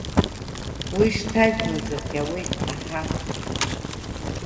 Уи шҭажәлазаргь ауеит, аҳа.